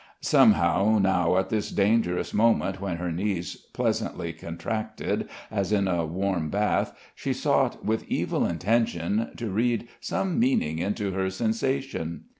Somehow now at this dangerous moment when her knees pleasantly contracted, as in a warm bath, she sought with evil intention to read some meaning into her sensation.